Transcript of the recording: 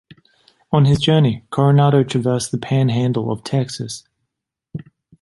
On his journey, Coronado traversed the panhandle of Texas.